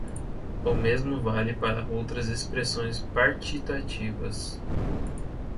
O mesmo vale para outras expressões partitivas